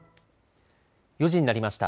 ４時になりました。